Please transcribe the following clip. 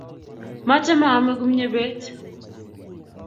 machame aame kumye beet